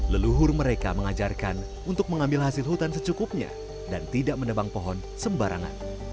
leluhur mereka mengajarkan untuk mengambil hasil hutan secukupnya dan tidak menebang pohon sembarangan